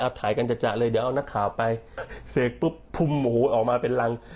ถ่ายกันจัดเลยเดี๋ยวเอานักข่าวไปเสกปุ๊บพุ่มโอ้โหออกมาเป็นรัง